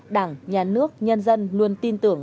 đảng nhà nước nhân dân luôn tin tưởng